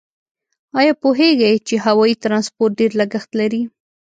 آیا پوهیږئ چې هوایي ترانسپورت ډېر لګښت لري؟